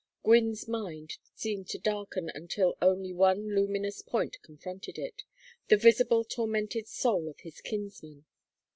Gwynne's mind seemed to darken until only one luminous point confronted it, the visible tormented soul of his kinsman.